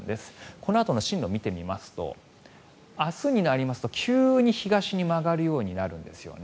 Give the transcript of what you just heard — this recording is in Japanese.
このあとの進路を見てみますと明日になりますと急に東に曲がるようになるんですよね。